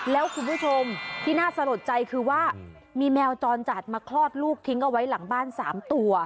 แล้วคุณผู้ชมที่น่าสะหรับใจคือว่ามีแมวจรจัดมาคลอดลูกทิ้งเอาไว้หลังบ้าน๓ตัว